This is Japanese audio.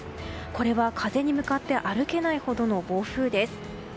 これは風に向かって歩けないほどの暴風です。